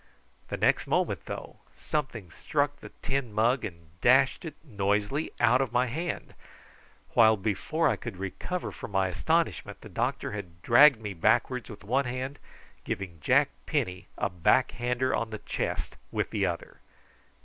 The next moment, though, something struck the tin mug and dashed it noisily out of my hand, while before I could recover from my astonishment, the doctor had dragged me backwards with one hand, giving Jack Penny a backhander on the chest with the other.